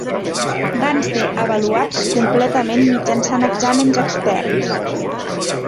Van ser avaluats completament mitjançant exàmens externs.